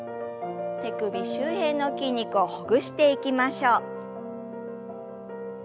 手首周辺の筋肉をほぐしていきましょう。